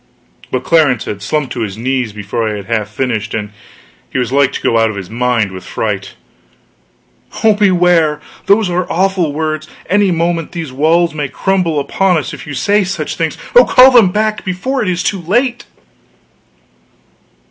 But Clarence had slumped to his knees before I had half finished, and he was like to go out of his mind with fright. "Oh, beware! These are awful words! Any moment these walls may crumble upon us if you say such things. Oh call them back before it is too late!"